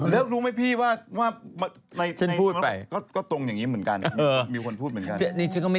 แล้วรู้ไหมพี่ว่าว่าในก็ตรงอย่างนี้เหมือนกันมีคนพูดเหมือนกันฉันพูดไป